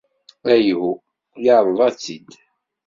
Ayhuh, yerḍa-tt-id.